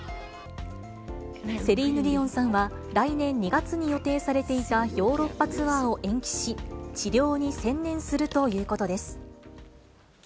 セリーヌ・ディオンさんは、来年２月に予定されていたヨーロッパツアーを延期し、治療に専念するということです。